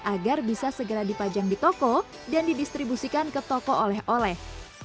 agar bisa segera dipajang di toko dan didistribusikan ke toko oleh oleh